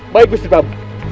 baik mr tau